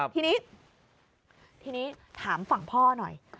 ทีนี้ทีนี้ถามฝั่งพ่อหน่อย